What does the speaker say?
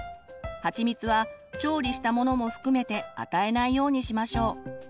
はちみつは調理したものも含めて与えないようにしましょう。